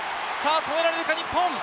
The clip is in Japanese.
止められるか日本。